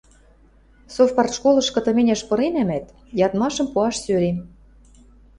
– Совпартшколышкы тыменяш пырынемӓт, ядмашым пуаш сӧрем...